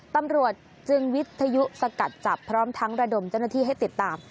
ตำรวจจึงวิทยุสกัดจับพร้อมทั้งระดมเจ้าหน้าที่ให้ติดตาม